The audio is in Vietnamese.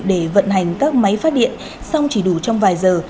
để vận hành các máy phát điện song chỉ đủ trong vài giờ